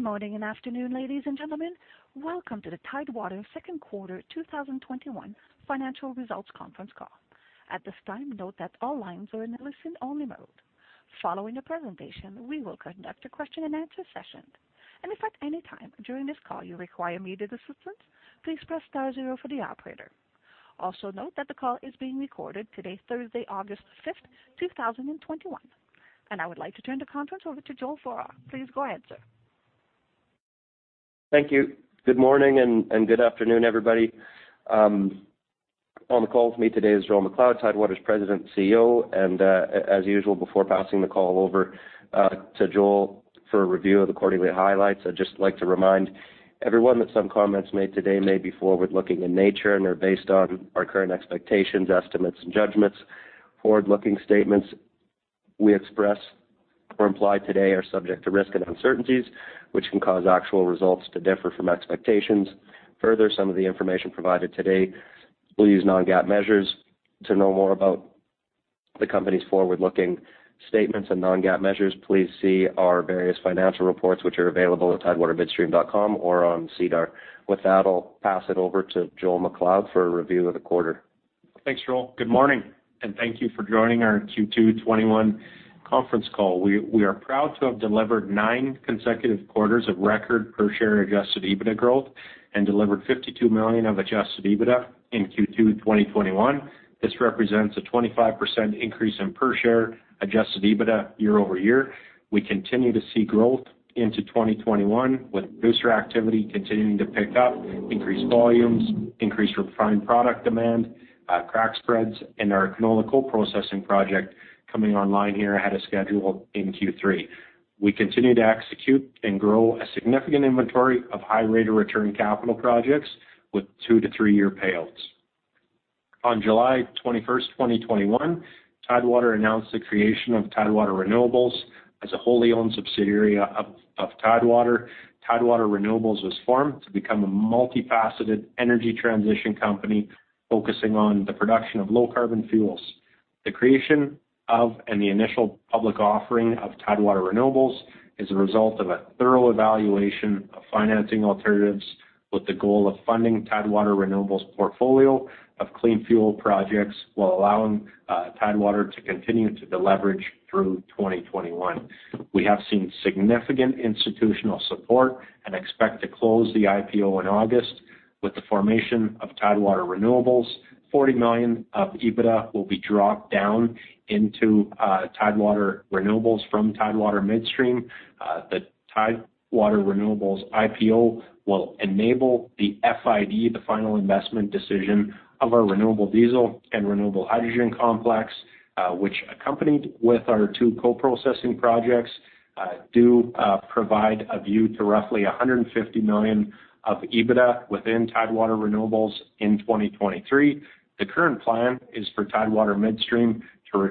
Good morning and afternoon, ladies and gentlemen. Welcome to the Tidewater second quarter 2021 financial results conference call. At this time, note that all lines are in listen-only mode. Following the presentation, we will conduct a question-and-answer session. If at any time during this call you require immediate assistance, please press star zero for the operator. Also note that the call is being recorded today, Thursday, August the 5th, 2021. I would like to turn the conference over to Joel Vorra. Please go ahead, sir. Thank you. Good morning and good afternoon, everybody. On the call with me today is Joel MacLeod, Tidewater's President and CEO. As usual, before passing the call over to Joel for a review of the quarterly highlights, I'd just like to remind everyone that some comments made today may be forward-looking in nature and are based on our current expectations, estimates, and judgments. Forward-looking statements we express or imply today are subject to risks and uncertainties, which can cause actual results to differ from expectations. Some of the information provided today will use non-GAAP measures. To know more about the company's forward-looking statements and non-GAAP measures, please see our various financial reports, which are available at tidewatermidstream.com or on SEDAR. I'll pass it over to Joel MacLeod for a review of the quarter. Thanks, Joel. Good morning. Thank you for joining our Q2 2021 conference call. We are proud to have delivered nine consecutive quarters of record per share Adjusted EBITDA growth and delivered 52 million of adjusted EBITDA in Q2 2021. This represents a 25% increase in per share adjusted EBITDA year-over-year. We continue to see growth into 2021, with booster activity continuing to pick up, increased volumes, increased refined product demand, crack spreads, and our canola coprocessing project coming online here ahead of schedule in Q3. We continue to execute and grow a significant inventory of high rate of return capital projects with two to three-year payouts. On July 21st, 2021, Tidewater announced the creation of Tidewater Renewables as a wholly owned subsidiary of Tidewater. Tidewater Renewables was formed to become a multifaceted energy transition company focusing on the production of low carbon fuels. The creation of and the initial public offering of Tidewater Renewables is a result of a thorough evaluation of financing alternatives with the goal of funding Tidewater Renewables' portfolio of clean fuel projects while allowing Tidewater to continue to deleverage through 2021. We have seen significant institutional support and expect to close the IPO in August with the formation of Tidewater Renewables. 40 million of EBITDA will be dropped down into Tidewater Renewables from Tidewater Midstream. The Tidewater Renewables IPO will enable the FID, the final investment decision, of our renewable diesel and renewable hydrogen complex, which, accompanied with our two coprocessing projects, do provide a view to roughly 150 million of EBITDA within Tidewater Renewables in 2023. The current plan is for Tidewater Midstream to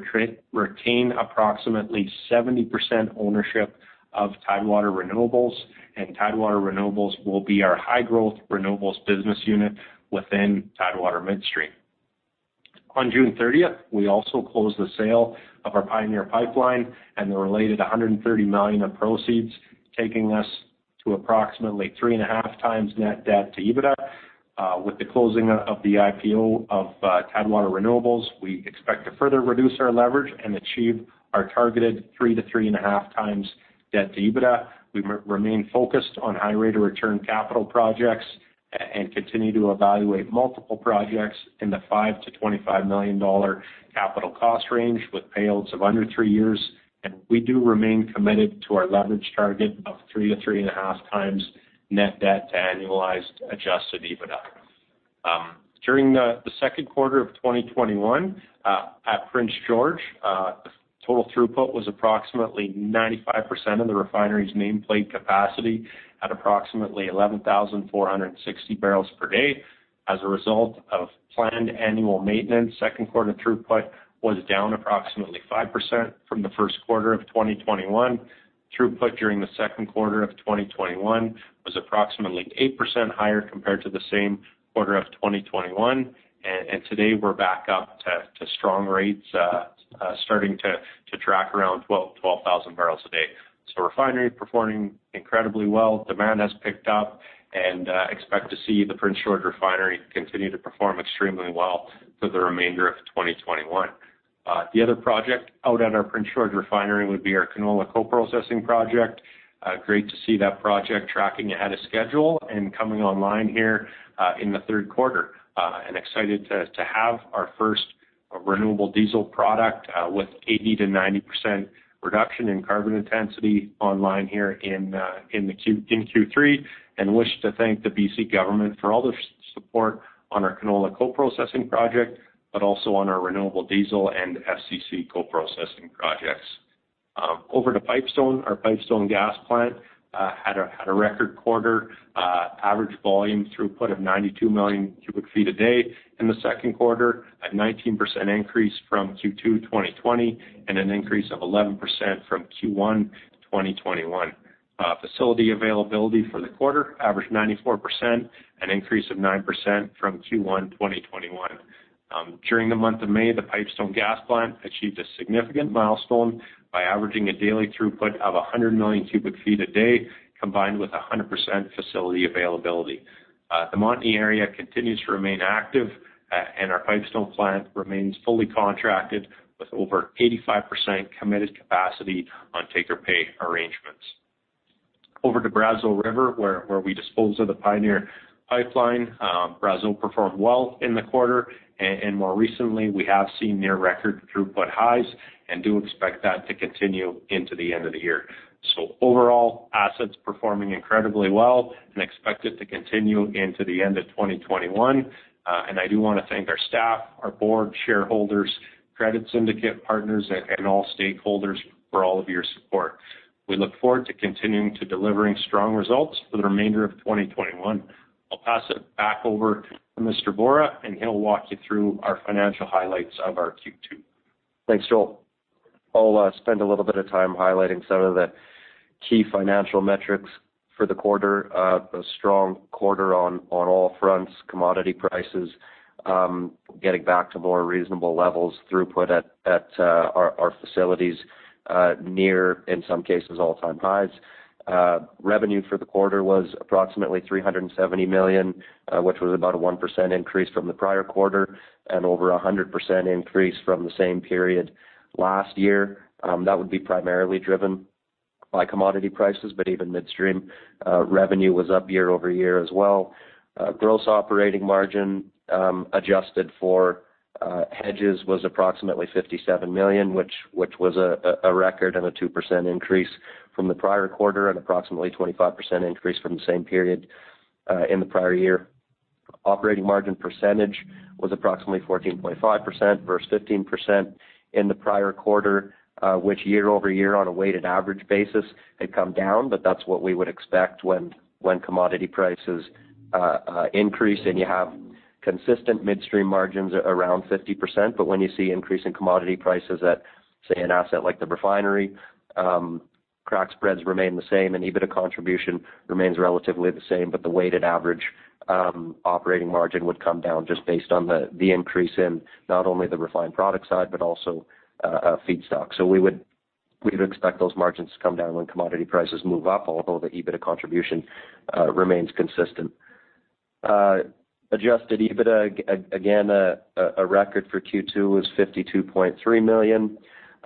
retain approximately 70% ownership of Tidewater Renewables, and Tidewater Renewables will be our high-growth renewables business unit within Tidewater Midstream. On June 30th, we also closed the sale of our Pioneer Pipeline and the related 130 million of proceeds, taking us to approximately 3.5x net debt to EBITDA. With the closing of the IPO of Tidewater Renewables, we expect to further reduce our leverage and achieve our targeted 3x-3.5x debt to EBITDA. We remain focused on high rate of return capital projects and continue to evaluate multiple projects in the 5 million-25 million dollar capital cost range with payouts of under three years. We do remain committed to our leverage target of 3x-3.5x net debt to annualized adjusted EBITDA. During the second quarter of 2021, at Prince George, total throughput was approximately 95% of the refinery's nameplate capacity at approximately 11,460 bpd. As a result of planned annual maintenance, second quarter throughput was down approximately 5% from the first quarter of 2021. Throughput during the second quarter of 2021 was approximately 8% higher compared to the same quarter of 2021. Today, we're back up to strong rates, starting to track around 12,000 bpd. Refinery performing incredibly well. Demand has picked up, and expect to see the Prince George Refinery continue to perform extremely well for the remainder of 2021. The other project out at our Prince George Refinery would be our canola coprocessing project. Great to see that project tracking ahead of schedule and coming online here in the third quarter. Excited to have our first renewable diesel product with 80%-90% reduction in carbon intensity online here in Q3, and wish to thank the B.C. government for all their support on our canola coprocessing project, but also on our renewable diesel and FCC coprocessing projects. Over to Pipestone, our Pipestone gas plant had a record quarter, average volume throughput of 92 million cubic feet a day in the second quarter, a 19% increase from Q2 2020 and an increase of 11% from Q1 2021. Facility availability for the quarter averaged 94%, an increase of 9% from Q1 2021. During the month of May, the Pipestone Gas Plant achieved a significant milestone by averaging a daily throughput of 100 million cu ft a day, combined with 100% facility availability. The Montney area continues to remain active, and our Pipestone plant remains fully contracted with over 85% committed capacity on take-or-pay arrangements. Over to Brazeau River, where we dispose of the Pioneer Pipeline. Brazeau performed well in the quarter, and more recently, we have seen near record throughput highs and do expect that to continue into the end of the year. Overall, assets performing incredibly well and expect it to continue into the end of 2021. I do want to thank our staff, our board, shareholders, credit syndicate partners, and all stakeholders for all of your support. We look forward to continuing to delivering strong results for the remainder of 2021. I'll pass it back over to Mr. Vorra, and he'll walk you through our financial highlights of our Q2. Thanks, Joel. I'll spend a little bit of time highlighting some of the key financial metrics for the quarter. A strong quarter on all fronts. Commodity prices getting back to more reasonable levels. Throughput at our facilities near, in some cases, all-time highs. Revenue for the quarter was approximately 370 million, which was about a 1% increase from the prior quarter and over 100% increase from the same period last year. That would be primarily driven by commodity prices, but even midstream revenue was up year-over-year as well. gross operating margin, adjusted for hedges, was approximately 57 million, which was a record and a 2% increase from the prior quarter and approximately 25% increase from the same period in the prior year. Operating margin percentage was approximately 14.5% versus 15% in the prior quarter, which year-over-year on a weighted average basis had come down. That's what we would expect when commodity prices increase and you have consistent midstream margins around 50%. When you see increasing commodity prices at, say, an asset like the refinery, crack spreads remain the same and EBITDA contribution remains relatively the same. The weighted average operating margin would come down just based on the increase in not only the refined product side, but also feedstock. We would expect those margins to come down when commodity prices move up, although the EBITDA contribution remains consistent. Adjusted EBITDA, again, a record for Q2 was 52.3 million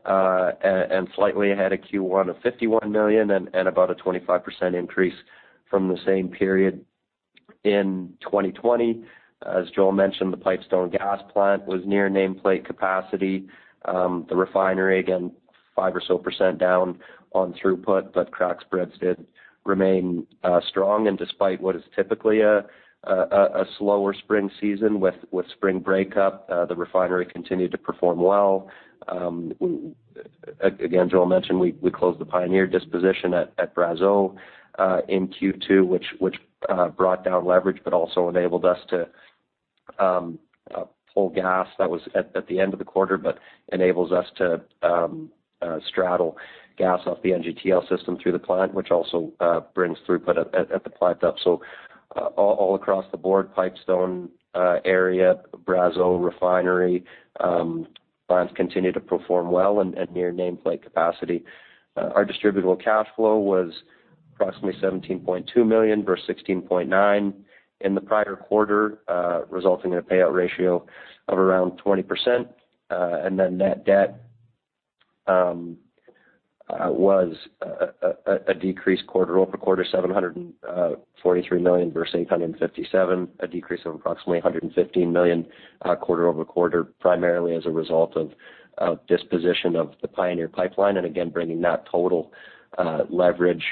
and slightly ahead of Q1 of 51 million and about a 25% increase from the same period in 2020. As Joel mentioned, the Pipestone Gas Plant was near nameplate capacity. The refinery, again, 5% or so down on throughput, but crack spreads did remain strong. Despite what is typically a slower spring season with spring breakup, the refinery continued to perform well. Again, Joel mentioned we closed the Pioneer disposition at Brazeau in Q2, which brought down leverage, but also enabled us to pull gas. That was at the end of the quarter, enables us to straddle gas off the NGTL system through the plant, which also brings throughput at the plant up. All across the board, Pipestone area, Brazeau refinery plants continue to perform well at near nameplate capacity. Our distributable cash flow was approximately 17.2 million, versus 16.9 million in the prior quarter, resulting in a payout ratio of around 20%. Net debt was a decrease quarter-over-quarter, 743 million versus 857 million, a decrease of approximately 115 million quarter-over-quarter, primarily as a result of disposition of the Pioneer Pipeline. Again, bringing that total leverage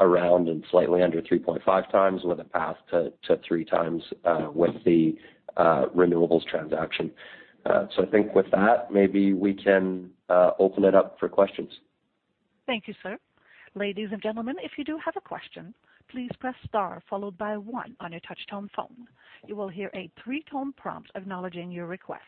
around and slightly under 3.5x with a path to 3x with the Renewables transaction. I think with that, maybe we can open it up for questions. Thank you, sir. Ladies and gentlemen, if you do have a question, please press star followed by one on your touchtone phone. You will hear a three-tone prompt acknowledging your request.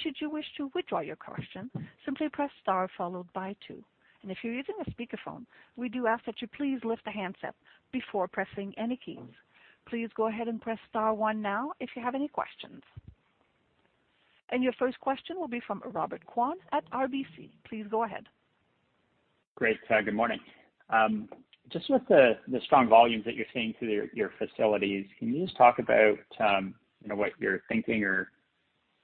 Should you wish to withdraw your question, simply press star followed by two. If you're using a speakerphone, we do ask that you please lift the handset before pressing any keys. Please go ahead and press star one now if you have any questions. Your first question will be from Robert Kwan at RBC. Please go ahead. Great. Good morning. Just with the strong volumes that you're seeing through your facilities, can you just talk about what you're thinking or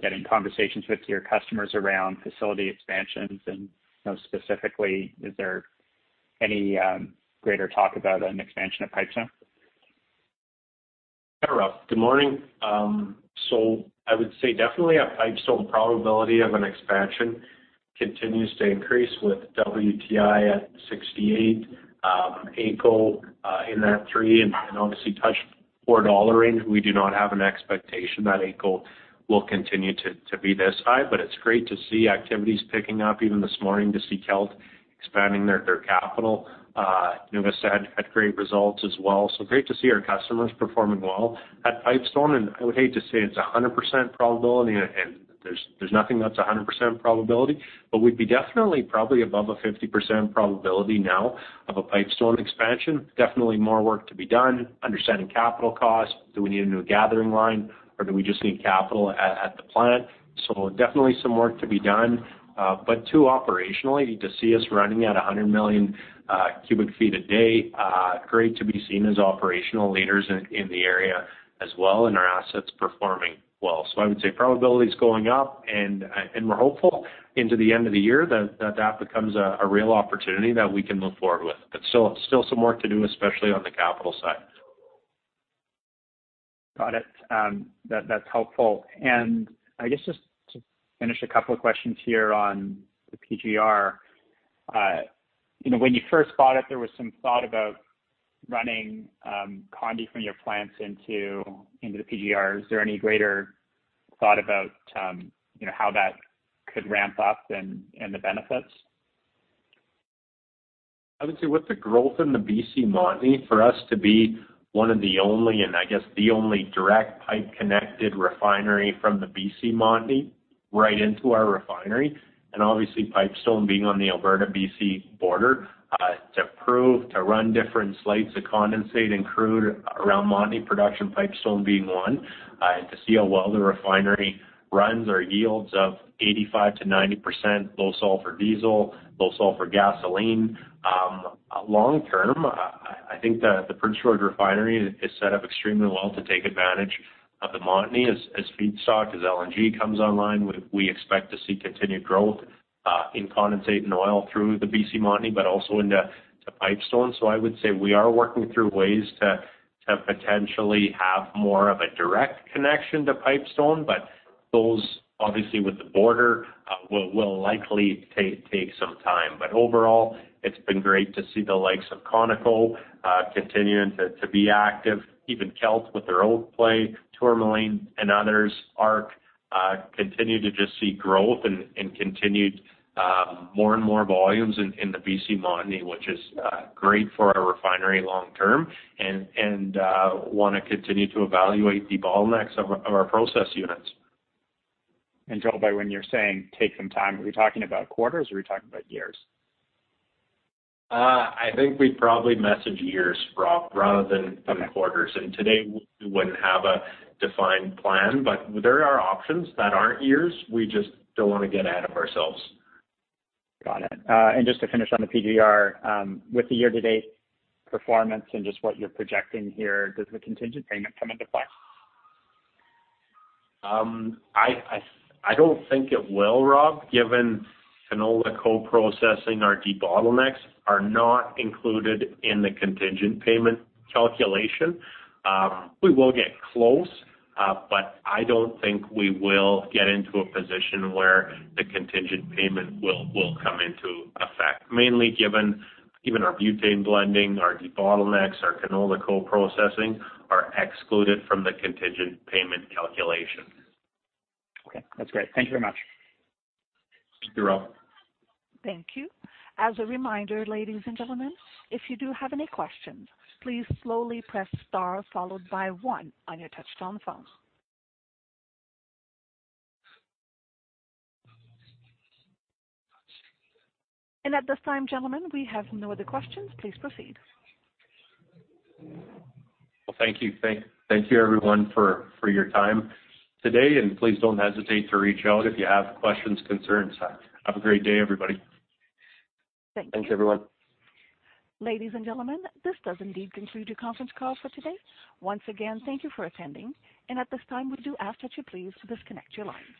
getting conversations with your customers around facility expansions? Specifically, is there any greater talk about an expansion at Pipestone? Hi, Rob. Good morning. I would say definitely at Pipestone, the probability of an expansion continues to increase with WTI at 68, AECO in that 3, and obviously touched 4 dollar range. We do not have an expectation that AECO will continue to be this high, but it's great to see activities picking up even this morning to see Kelt expanding their capital. NuVista Energy had great results as well. Great to see our customers performing well at Pipestone. I would hate to say it's 100% probability and there's nothing that's 100% probability, but we'd be definitely probably above a 50% probability now of a Pipestone expansion. Definitely more work to be done understanding capital costs. Do we need a new gathering line, or do we just need capital at the plant? Definitely some work to be done. Two, operationally, to see us running at 100,000,000 cu ft a day, great to be seen as operational leaders in the area as well, and our assets performing well. I would say probability's going up, and we're hopeful into the end of the year that becomes a real opportunity that we can move forward with. Still some work to do, especially on the capital side. Got it. That's helpful. I guess just to finish a couple of questions here on the PGR. When you first bought it, there was some thought about running condy from your plants into the PGR. Is there any greater thought about how that could ramp up and the benefits? I would say with the growth in the BC Montney, for us to be one of the only, and I guess the only direct pipe-connected refinery from the BC Montney right into our refinery, and obviously Pipestone being on the Alberta-BC border, to prove, to run different slates of condensate and crude around Montney production, Pipestone being one, to see how well the refinery runs or yields of 85%-90% low sulfur diesel, low sulfur gasoline. Long term, I think the Prince George Refinery is set up extremely well to take advantage of the Montney as feedstock. As LNG comes online, we expect to see continued growth in condensate and oil through the BC Montney, but also into Pipestone. I would say we are working through ways to potentially have more of a direct connection to Pipestone, but those obviously with the border, will likely take some time. Overall, it's been great to see the likes of Conoco continuing to be active. Even Kelt with their Oak play, Tourmaline and others, ARC, continue to just see growth and continued more and more volumes in the B.C. Montney, which is great for our refinery long term and want to continue to evaluate debottlenecks of our process units. Joel, by when you're saying take some time, are we talking about quarters or are we talking about years? I think we'd probably message years, Rob, rather than quarters. Okay. Today we wouldn't have a defined plan, but there are options that aren't years. We just don't want to get ahead of ourselves. Got it. Just to finish on the PGR, with the year-to-date performance and just what you're projecting here, does the contingent payment come into play? I don't think it will, Rob, given canola coprocessing, our debottlenecks are not included in the contingent payment calculation. We will get close, but I don't think we will get into a position where the contingent payment will come into effect, mainly given our butane blending, our debottlenecks, our canola coprocessing are excluded from the contingent payment calculation. Okay. That's great. Thank you very much. Thank you, Rob. Thank you. As a reminder, ladies and gentlemen, if you do have any questions, please slowly press star followed by one on your touch-tone phone. At this time, gentlemen, we have no other questions. Please proceed. Well, thank you. Thank you everyone for your time today, and please don't hesitate to reach out if you have questions, concerns. Have a great day, everybody. Thanks everyone. Ladies and gentlemen, this does indeed conclude the conference call for today. Once again, thank you for attending. At this time, we do ask that you please disconnect your lines.